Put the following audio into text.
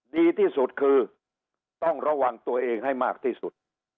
ดีที่สุดคือต้องระวังตัวเองให้มากที่สุด